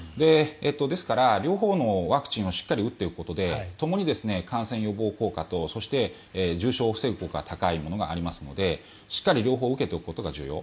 ですから、両方のワクチンをしっかり打っておくことでともに感染予防効果とそして重症化を防ぐ効果がありますのでしっかり両方受けておくことが重要。